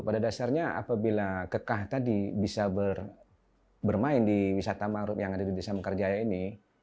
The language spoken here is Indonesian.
pada dasarnya apabila kekah tadi bisa bermain di wisata mangrove yang ada di desa mekarjaya ini